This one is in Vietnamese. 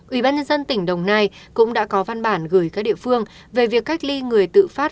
ubnd tỉnh đồng nai cũng đã có văn bản gửi các địa phương về việc cách ly người tự phát